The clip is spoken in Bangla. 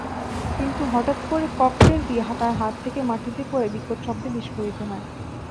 কিন্তু হঠাৎ করে ককটেলটি তার হাত থেকে মাটিতে পড়ে বিকট শব্দে বিস্ফোরিত হয়।